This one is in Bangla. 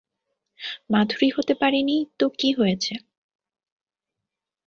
মাধুরী হতে পারি নি তো কী হয়েছে?